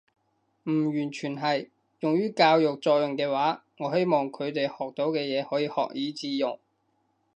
唔完全係。用於教育作用嘅話，我希望佢哋學到嘅嘢可以學以致用